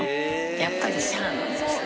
やっぱりシャーなんです。